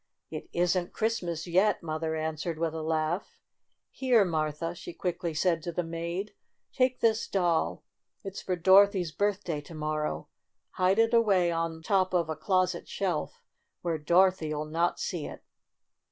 "It isn't Christmas yet," Mother an swered, with a laugh. "Here, Martha," she quickly said to the maid. "Take this doll. It's for Dorothy's birthday to mor row. Hide it away on top of a closet shelf where Dorothy 'll not see it."